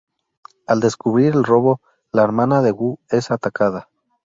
Al descubrir el robo, la hermana de Wu es atacada.